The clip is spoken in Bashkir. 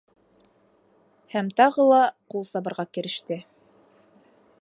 Һәм тағы ла ҡул сабырға кереште.